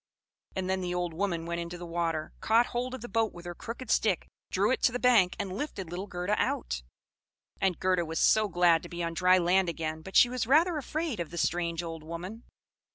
And then the old woman went into the water, caught hold of the boat with her crooked stick, drew it to the bank, and lifted little Gerda out. And Gerda was so glad to be on dry land again; but she was rather afraid of the strange old woman.